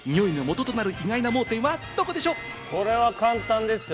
これは簡単ですよ。